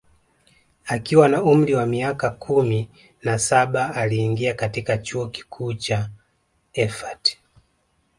Akiwa na umri wa miaka kumi na saba aliingia katika Chuo Kikuu cha Erfurt